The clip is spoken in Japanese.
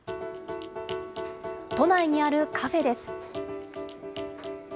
都内にあるカフェです。